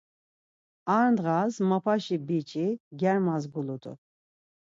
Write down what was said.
Ar ndğas mapaşi biç̌i germas gulut̆u.